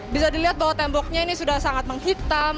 bisa dilihat bahwa temboknya ini sudah sangat menghitam